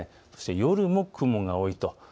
そして夜も雲が多いと。